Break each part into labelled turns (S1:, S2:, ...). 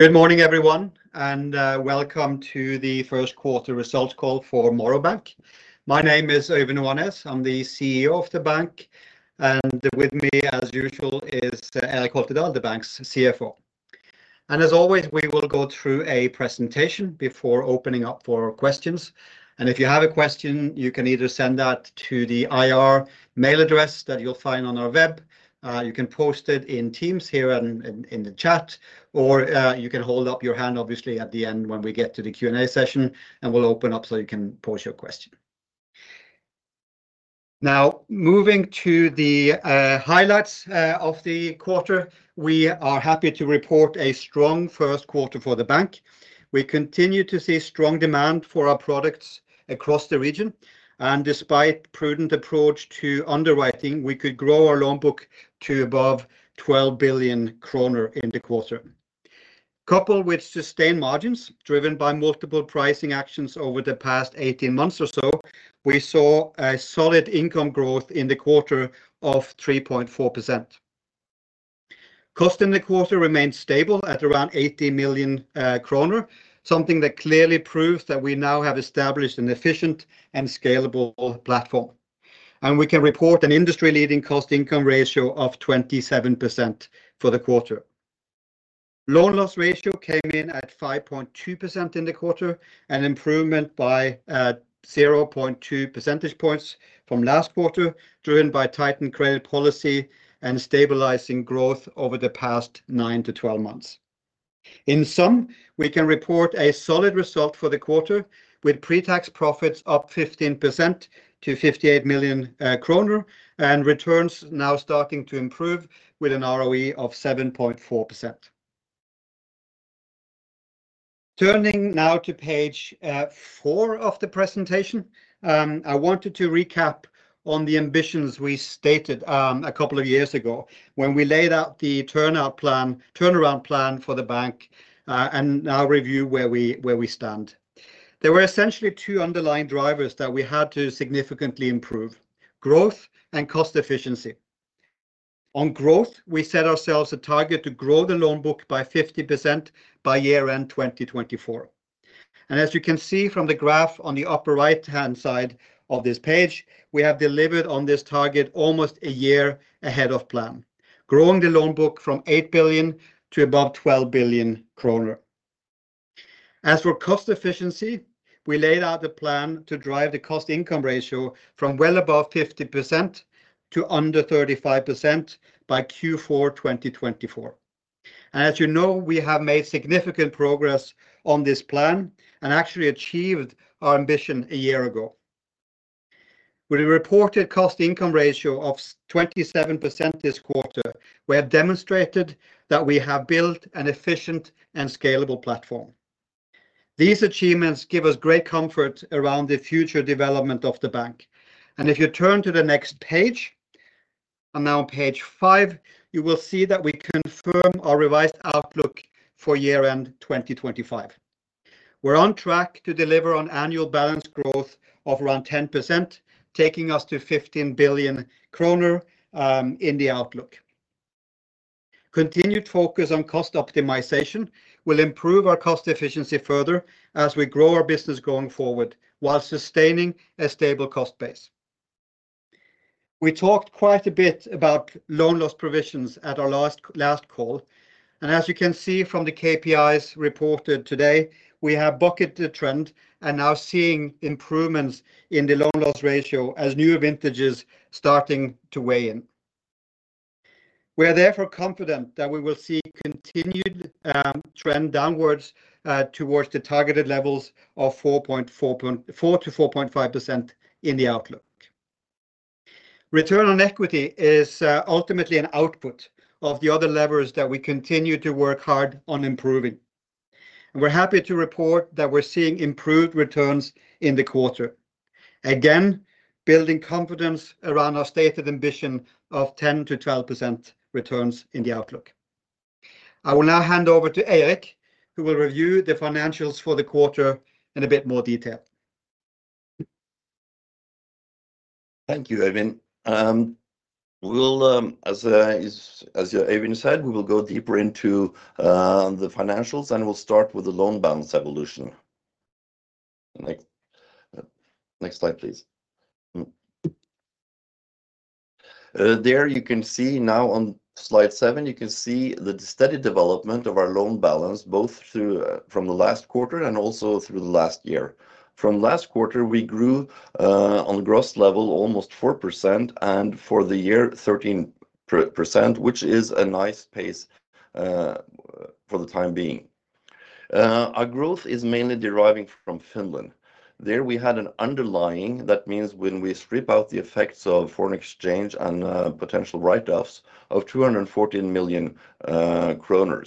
S1: Good morning, everyone, and welcome to the first quarter results call for Morrow Bank. My name is Øyvind Oanes. I'm the CEO of the bank, and with me, as usual, is Eirik Holtedahl, the bank's CFO. And as always, we will go through a presentation before opening up for questions, and if you have a question, you can either send that to the IR mail address that you'll find on our web, you can post it in Teams here in the chat, or you can hold up your hand, obviously, at the end when we get to the Q&A session, and we'll open up so you can pose your question. Now, moving to the highlights of the quarter, we are happy to report a strong first quarter for the bank. We continue to see strong demand for our products across the region, and despite prudent approach to underwriting, we could grow our loan book to above 12 billion kroner in the quarter. Coupled with sustained margins, driven by multiple pricing actions over the past 18 months or so, we saw a solid income growth in the quarter of 3.4%. Cost in the quarter remained stable at around 80 million kroner, something that clearly proves that we now have established an efficient and scalable platform, and we can report an industry-leading cost-income ratio of 27% for the quarter. Loan loss ratio came in at 5.2% in the quarter, an improvement by 0.2 percentage points from last quarter, driven by tightened credit policy and stabilizing growth over the past nine to 12 months. In sum, we can report a solid result for the quarter, with pre-tax profits up 15% to 58 million kroner and returns now starting to improve with an ROE of 7.4%. Turning now to page four of the presentation, I wanted to recap on the ambitions we stated a couple of years ago when we laid out the turnout plan-turnaround plan for the bank, and now review where we stand. There were essentially two underlying drivers that we had to significantly improve: growth and cost efficiency. On growth, we set ourselves a target to grow the loan book by 50% by year-end 2024, and as you can see from the graph on the upper right-hand side of this page, we have delivered on this target almost a year ahead of plan, growing the loan book from 8 billion to above 12 billion kroner. As for cost efficiency, we laid out a plan to drive the cost-income ratio from well above 50% to under 35% by Q4 2024. As you know, we have made significant progress on this plan and actually achieved our ambition a year ago. With a reported cost-income ratio of 27% this quarter, we have demonstrated that we have built an efficient and scalable platform. These achievements give us great comfort around the future development of the bank. If you turn to the next page, I'm now on page five, you will see that we confirm our revised outlook for year-end 2025. We're on track to deliver on annual balance growth of around 10%, taking us to 15 billion kroner in the outlook. Continued focus on cost optimization will improve our cost efficiency further as we grow our business going forward, while sustaining a stable cost base. We talked quite a bit about loan loss provisions at our last call, and as you can see from the KPIs reported today, we have bucked the trend and now seeing improvements in the loan loss ratio as new vintages starting to weigh in. We are therefore confident that we will see continued trend downwards towards the targeted levels of 4.4%-4.5% in the outlook. Return on Equity is ultimately an output of the other levers that we continue to work hard on improving. And we're happy to report that we're seeing improved returns in the quarter. Again, building confidence around our stated ambition of 10%-12% returns in the outlook. I will now hand over to Eirik, who will review the financials for the quarter in a bit more detail.
S2: Thank you, Øyvind. As Øyvind said, we will go deeper into the financials, and we'll start with the loan balance evolution. Next slide, please. There you can see now on slide seven, you can see the steady development of our loan balance, both from the last quarter and also through the last year. From last quarter, we grew on gross level, almost 4%, and for the year, 13%, which is a nice pace for the time being. Our growth is mainly deriving from Finland. There, we had an underlying, that means when we strip out the effects of foreign exchange and potential write-offs of 214 million kroner.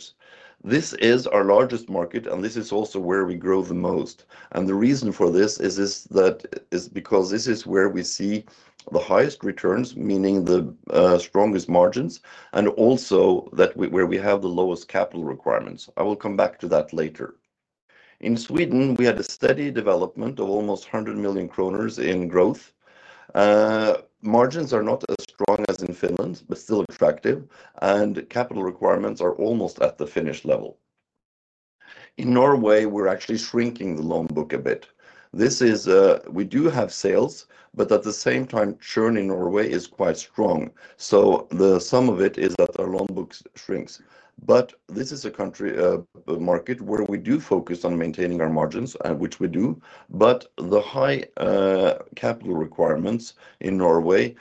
S2: This is our largest market, and this is also where we grow the most, and the reason for this is, is that, is because this is where we see the highest returns, meaning the strongest margins, and also that where we have the lowest capital requirements. I will come back to that later... In Sweden, we had a steady development of almost 100 million kroner in growth. Margins are not as strong as in Finland, but still attractive, and capital requirements are almost at the Finnish level. In Norway, we're actually shrinking the loan book a bit. This is - we do have sales, but at the same time, churn in Norway is quite strong. So the sum of it is that our loan book shrinks. But this is a country market where we do focus on maintaining our margins, and which we do, but the high capital requirements in Norway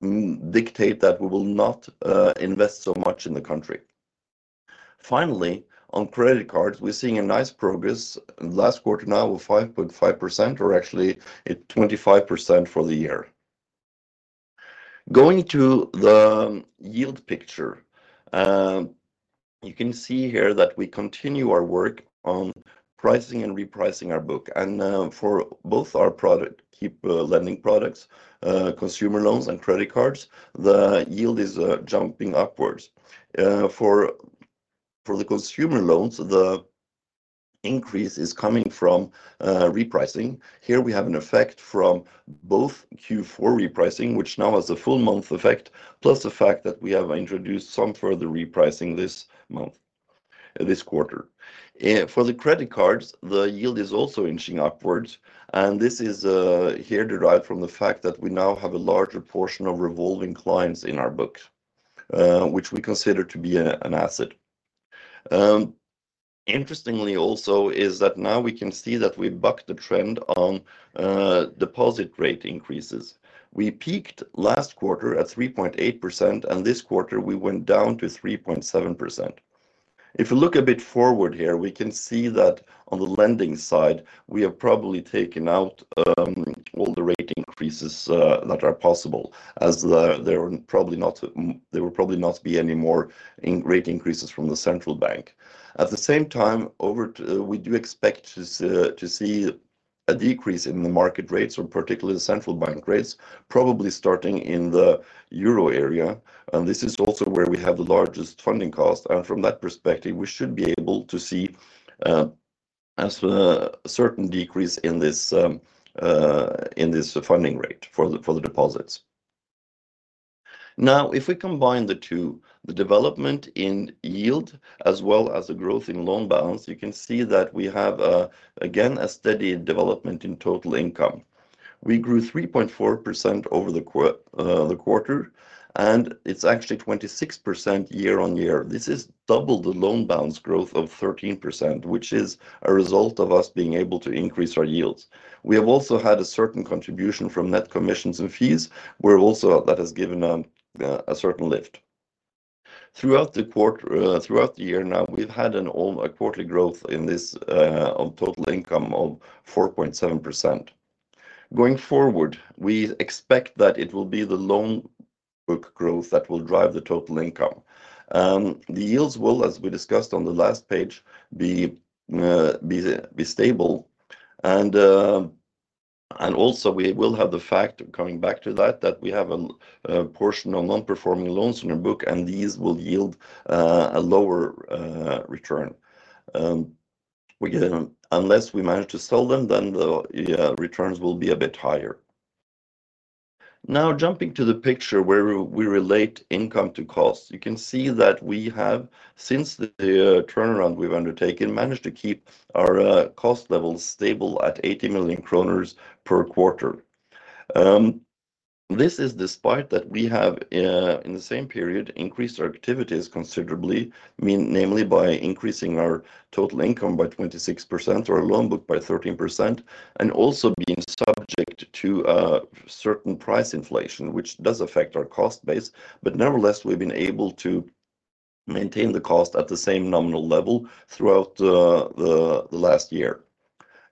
S2: dictate that we will not invest so much in the country. Finally, on credit cards, we're seeing a nice progress. Last quarter now, we were 5.5%, or actually, at 25% for the year. Going to the yield picture, you can see here that we continue our work on pricing and repricing our book. For both our key lending products, consumer loans and credit cards, the yield is jumping upwards. For the consumer loans, the increase is coming from repricing. Here we have an effect from both Q4 repricing, which now has a full month effect, plus the fact that we have introduced some further repricing this month, this quarter. For the credit cards, the yield is also inching upwards, and this is here derived from the fact that we now have a larger portion of revolving clients in our book, which we consider to be a, an asset. Interestingly also, is that now we can see that we bucked the trend on deposit rate increases. We peaked last quarter at 3.8%, and this quarter we went down to 3.7%. If you look a bit forward here, we can see that on the lending side, we have probably taken out all the rate increases that are possible, as there are probably not... There will probably not be any more interest-rate increases from the central bank. At the same time, we do expect to see a decrease in the market rates or particularly the central bank rates, probably starting in the Euro area, and this is also where we have the largest funding cost. And from that perspective, we should be able to see a certain decrease in this funding rate for the deposits. Now, if we combine the two, the development in yield as well as the growth in loan balance, you can see that we have again a steady development in total income. We grew 3.4% over the quarter, and it's actually 26% year-on-year. This is double the loan balance growth of 13%, which is a result of us being able to increase our yields. We have also had a certain contribution from net commissions and fees, where also that has given a certain lift. Throughout the quarter, throughout the year now, we've had an all quarterly growth in this of total income of 4.7%. Going forward, we expect that it will be the loan book growth that will drive the total income. The yields will, as we discussed on the last page, be stable. And also we will have the fact, coming back to that, that we have a portion of non-performing loans in our book, and these will yield a lower return. We get unless we manage to sell them, then the returns will be a bit higher. Now, jumping to the picture where we relate income to cost, you can see that we have, since the turnaround we've undertaken, managed to keep our cost levels stable at 80 million kroner per quarter. This is despite that we have, in the same period, increased our activities considerably, namely by increasing our total income by 26% or our loan book by 13%, and also being subject to a certain price inflation, which does affect our cost base. But nevertheless, we've been able to maintain the cost at the same nominal level throughout the last year.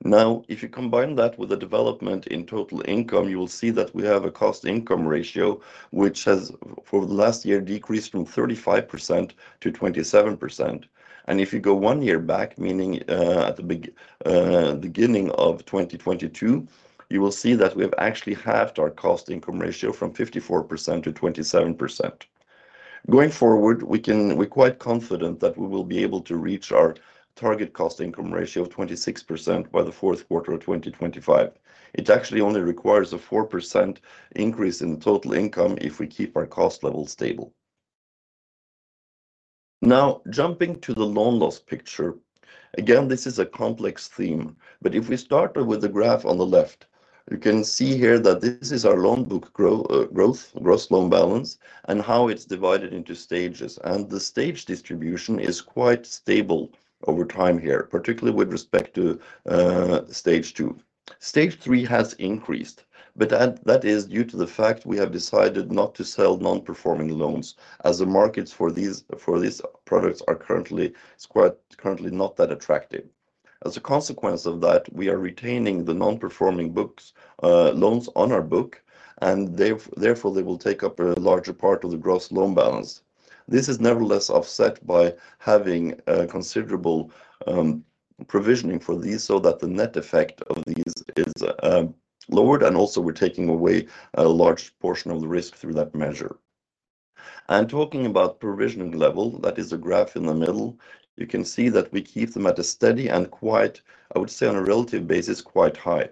S2: Now, if you combine that with the development in total income, you will see that we have a cost-income ratio, which has, for the last year, decreased from 35% to 27%. And if you go one year back, meaning, at the beginning of 2022, you will see that we have actually halved our cost-income ratio from 54% to 27%. Going forward, we're quite confident that we will be able to reach our target cost-income ratio of 26% by the fourth quarter of 2025. It actually only requires a 4% increase in the total income if we keep our cost level stable. Now, jumping to the loan loss picture. Again, this is a complex theme, but if we start with the graph on the left, you can see here that this is our loan book growth, gross loan balance, and how it's divided into stages. And the stage distribution is quite stable over time here, particularly with respect to Stage two. Stage three has increased, but that is due to the fact we have decided not to sell non-performing loans, as the markets for these products are currently quite not that attractive. As a consequence of that, we are retaining the non-performing books, loans on our book, and therefore, they will take up a larger part of the gross loan balance. This is nevertheless offset by having a considerable provisioning for these, so that the net effect of these is lowered, and also we're taking away a large portion of the risk through that measure. Talking about provisioning level, that is the graph in the middle, you can see that we keep them at a steady and quite, I would say, on a relative basis, quite high.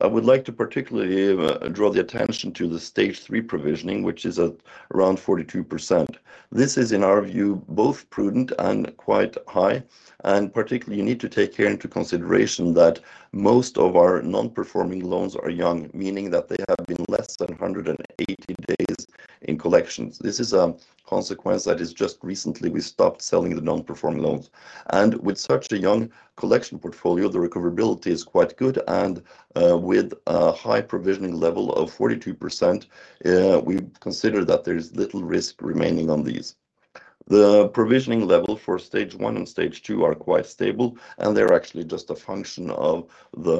S2: I would like to particularly draw the attention to the Stage three provisioning, which is at around 42%. This is, in our view, both prudent and quite high, and particularly, you need to take here into consideration that most of our non-performing loans are young, meaning that they have been less than 180 days in collections. This is a consequence that is just recently we stopped selling the non-performing loans. With such a young collection portfolio, the recoverability is quite good, and with a high provisioning level of 42%, we consider that there is little risk remaining on these. The provisioning level for Stage one and Stage two are quite stable, and they're actually just a function of the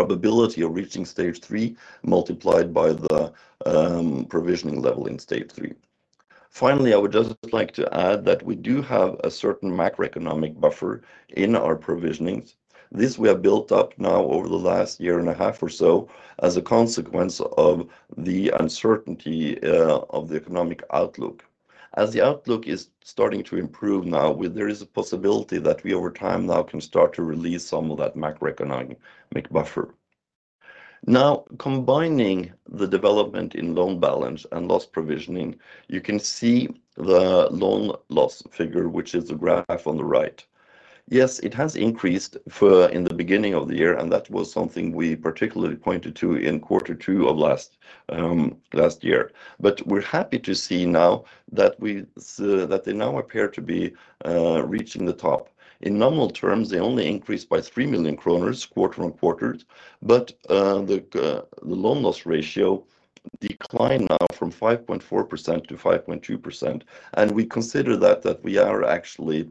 S2: probability of reaching Stage three, multiplied by the provisioning level in Stage three. Finally, I would just like to add that we do have a certain macroeconomic buffer in our provisionings. This we have built up now over the last year and a half or so, as a consequence of the uncertainty of the economic outlook. As the outlook is starting to improve now, there is a possibility that we, over time, now, can start to release some of that macroeconomic buffer. Now, combining the development in loan balance and loss provisioning, you can see the loan loss figure, which is the graph on the right. Yes, it has increased for in the beginning of the year, and that was something we particularly pointed to in quarter two of last year. But we're happy to see now that they now appear to be reaching the top. In nominal terms, they only increased by 3 million kroner, quarter on quarter, but the loan loss ratio declined now from 5.4%-5.2%. We consider that we are actually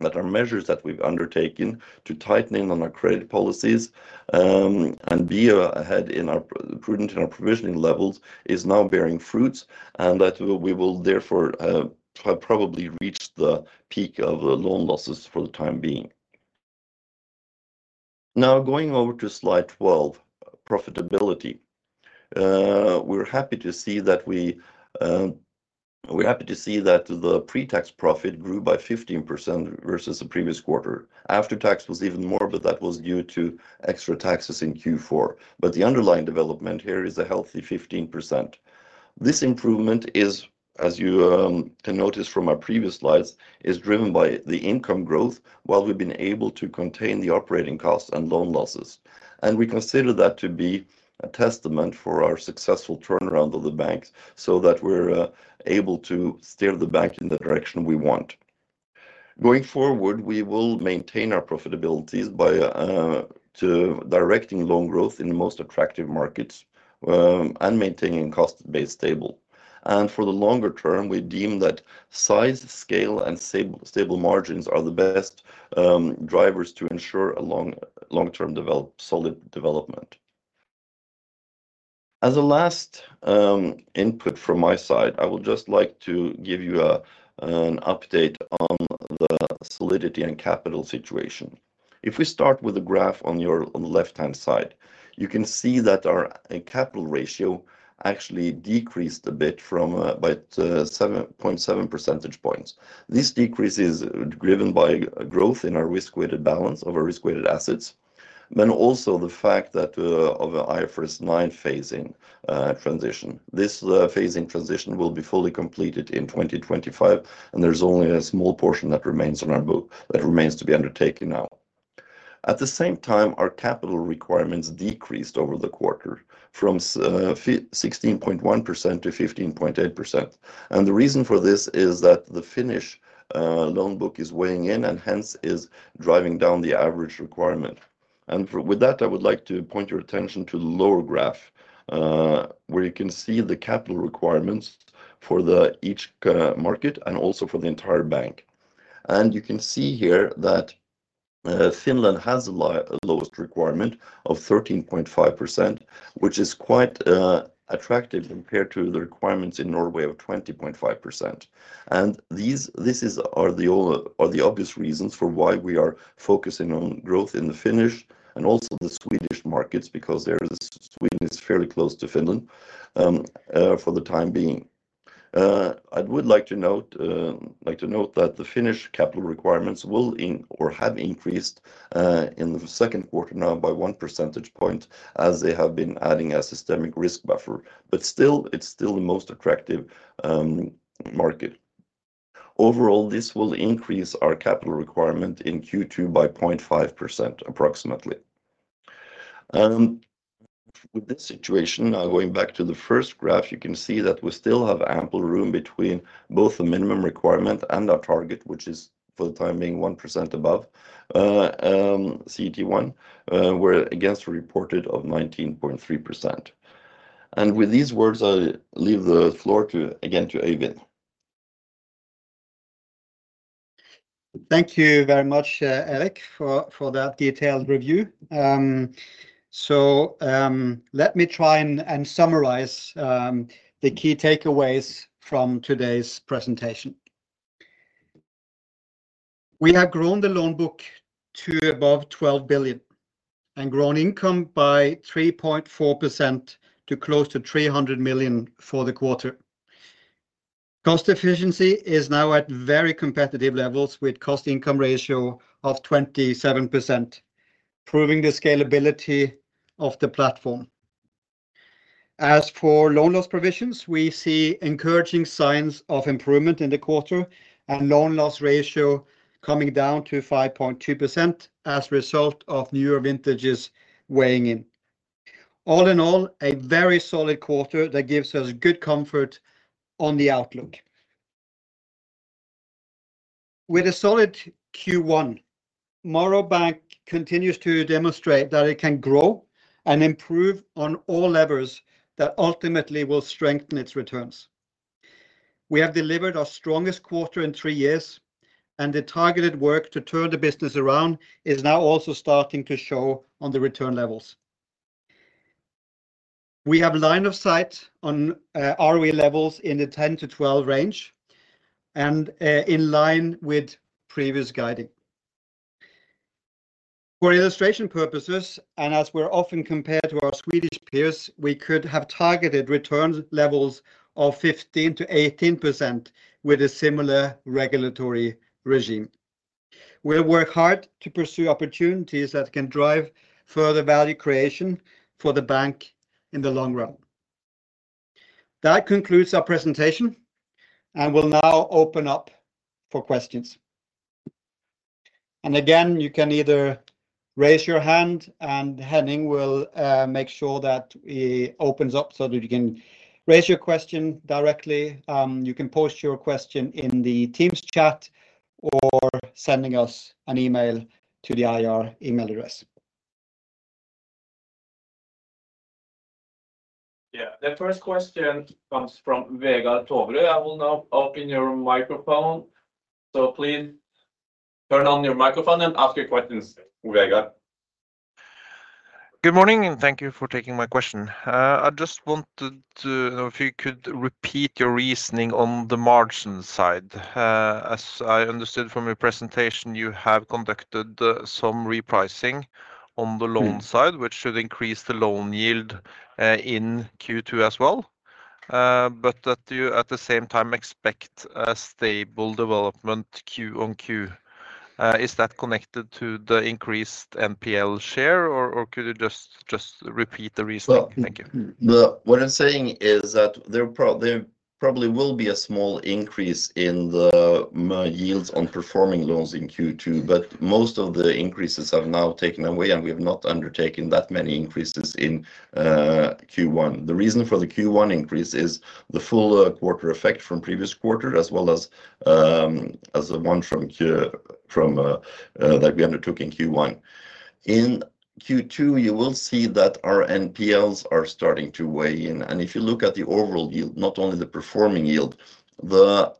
S2: that our measures that we've undertaken to tightening on our credit policies, and be ahead in our prudent and our provisioning levels, is now bearing fruits, and that we will therefore have probably reached the peak of the loan losses for the time being. Now, going over to slide 12, profitability. We're happy to see that the pre-tax profit grew by 15% versus the previous quarter. After tax was even more, but that was due to extra taxes in Q4. But the underlying development here is a healthy 15%. This improvement is, as you can notice from our previous slides, driven by the income growth, while we've been able to contain the operating costs and loan losses. And we consider that to be a testament for our successful turnaround of the banks, so that we're able to steer the bank in the direction we want. Going forward, we will maintain our profitabilities by to directing loan growth in the most attractive markets, and maintaining cost base stable. And for the longer term, we deem that size, scale, and stable margins are the best drivers to ensure a long-term solid development. As a last input from my side, I would just like to give you an update on the solidity and capital situation. If we start with a graph on your on the left-hand side, you can see that our capital ratio actually decreased a bit from by 7.7 percentage points. This decrease is driven by growth in our risk-weighted balance of our risk-weighted assets, then also the fact that of a IFRS 9 phasing transition. This phasing transition will be fully completed in 2025, and there's only a small portion that remains on our book that remains to be undertaken now. At the same time, our capital requirements decreased over the quarter from 16.1% to 15.8%. And the reason for this is that the Finnish loan book is weighing in and hence is driving down the average requirement. With that, I would like to point your attention to the lower graph where you can see the capital requirements for each market and also for the entire bank. You can see here that Finland has the lowest requirement of 13.5%, which is quite attractive compared to the requirements in Norway of 20.5%. These are the obvious reasons for why we are focusing on growth in the Finnish and also the Swedish markets, because Sweden is fairly close to Finland for the time being. I would like to note that the Finnish capital requirements will or have increased in the second quarter now by one percentage point, as they have been adding a systemic risk buffer, but still, it's still the most attractive market. Overall, this will increase our capital requirement in Q2 by 0.5%, approximately. With this situation, now going back to the first graph, you can see that we still have ample room between both the minimum requirement and our target, which is, for the time being, 1% above CET1. We're against the reported of 19.3%. And with these words, I leave the floor to, again, to Øyvind.
S1: Thank you very much, Eirik, for that detailed review. So, let me try and summarize the key takeaways from today's presentation. We have grown the loan book to above 12 billion and grown income by 3.4% to close to 300 million for the quarter. Cost efficiency is now at very competitive levels, with cost-income ratio of 27%, proving the scalability of the platform. As for loan loss provisions, we see encouraging signs of improvement in the quarter, and loan loss ratio coming down to 5.2% as a result of newer vintages weighing in. All in all, a very solid quarter that gives us good comfort on the outlook. With a solid Q1, Morrow Bank continues to demonstrate that it can grow and improve on all levels that ultimately will strengthen its returns. We have delivered our strongest quarter in three years, and the targeted work to turn the business around is now also starting to show on the return levels. We have line of sight on ROE levels in the 10%-12% range and in line with previous guiding. For illustration purposes, and as we're often compared to our Swedish peers, we could have targeted return levels of 15%-18% with a similar regulatory regime. We'll work hard to pursue opportunities that can drive further value creation for the bank in the long run. That concludes our presentation, and we'll now open up for questions. And again, you can either raise your hand, and Henning will make sure that he opens up so that you can raise your question directly. You can post your question in the Teams chat or sending us an email to the IR email address.
S3: Yeah, the first question comes from Vegard Toverud. I will now open your microphone, so please turn on your microphone and ask your questions, Vegard.
S4: Good morning, and thank you for taking my question. I just wanted to know if you could repeat your reasoning on the margin side. As I understood from your presentation, you have conducted some repricing on the loan side-
S2: Mm.
S4: -which should increase the loan yield in Q2 as well. But that you at the same time expect a stable development Q on Q. Is that connected to the increased NPL share, or could you just repeat the reasoning?
S2: Well-
S4: Thank you.
S2: What I'm saying is that there probably will be a small increase in the yields on performing loans in Q2, but most of the increases have now taken away, and we have not undertaken that many increases in Q1. The reason for the Q1 increase is the full quarter effect from previous quarter, as well as the one from Q that we undertook in Q1. In Q2, you will see that our NPLs are starting to weigh in, and if you look at the overall yield, not only the performing yield, the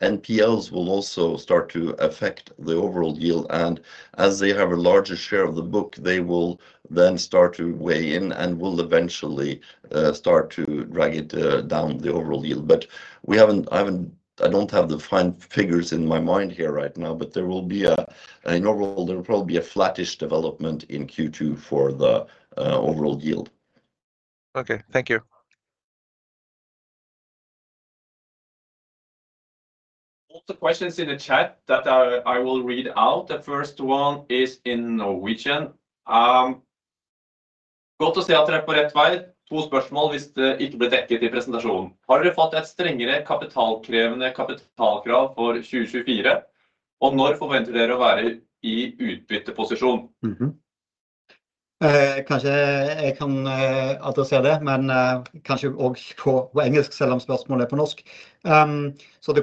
S2: NPLs will also start to affect the overall yield, and as they have a larger share of the book, they will then start to weigh in and will eventually start to drag it down the overall yield. I don't have the fine figures in my mind here right now, but overall there will probably be a flattish development in Q2 for the overall yield.
S4: Okay, thank you.
S3: All the questions in the chat that I will read out. The first one is in Norwegian.
S1: So the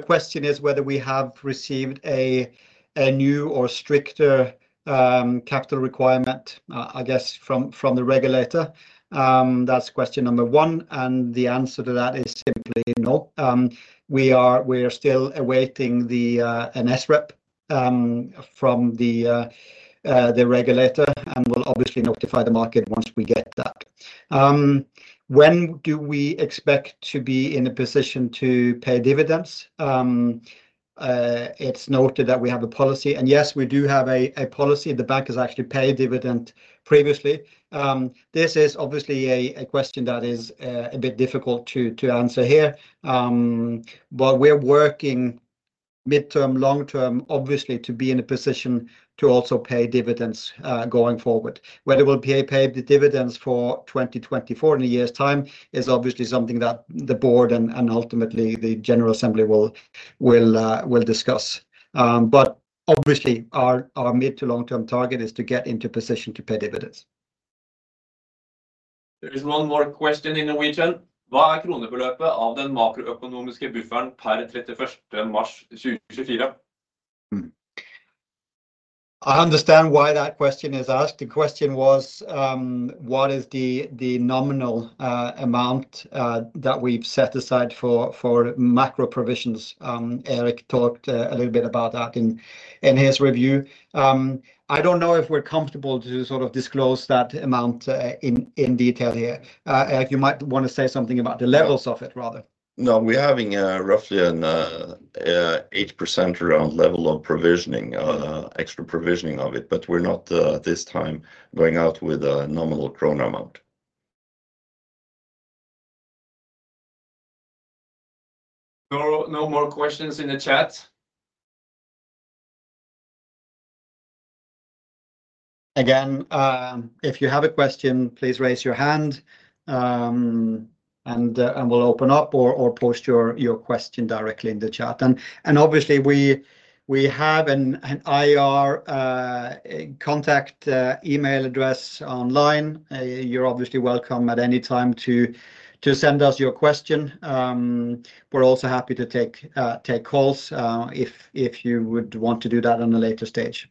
S1: question is whether we have received a new or stricter capital requirement, I guess from the regulator. That's question number one, and the answer to that is simply no. We are still awaiting an SREP from the regulator, and we'll obviously notify the market once we get that. When do we expect to be in a position to pay dividends? It's noted that we have a policy, and yes, we do have a policy. The bank has actually paid dividend previously. This is obviously a question that is a bit difficult to answer here. But we're working midterm, long term, obviously, to be in a position to also pay dividends, going forward. Whether we'll be, pay the dividends for 2024 in a year's time is obviously something that the board and, and ultimately, the General Assembly will, will, will discuss. But obviously, our, our mid to long-term target is to get into position to pay dividends.
S3: There is one more question in Norwegian.
S1: I understand why that question is asked. The question was, what is the, the nominal, amount, that we've set aside for, for macro provisions? Eirik talked, a little bit about that in, in his review. I don't know if we're comfortable to sort of disclose that amount, in, in detail here. Eirik, you might want to say something about the levels of it, rather.
S2: No, we're having roughly an 8% around level of provisioning, extra provisioning of it, but we're not, at this time, going out with a nominal kroner amount.
S3: No, no more questions in the chat.
S1: Again, if you have a question, please raise your hand, and we'll open up or post your question directly in the chat. And obviously, we have an IR contact email address online. You're obviously welcome at any time to send us your question. We're also happy to take calls, if you would want to do that on a later stage.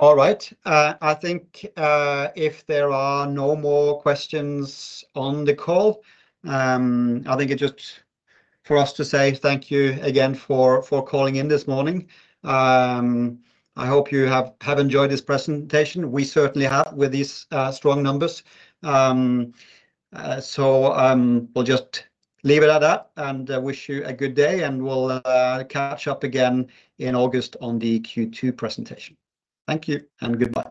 S1: All right, I think if there are no more questions on the call, I think it's just for us to say thank you again for calling in this morning. I hope you have enjoyed this presentation. We certainly have with these strong numbers. We'll just leave it at that, and wish you a good day, and we'll catch up again in August on the Q2 presentation. Thank you and goodbye.